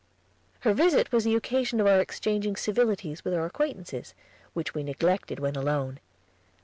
Her visit was the occasion of our exchanging civilities with our acquaintances, which we neglected when alone.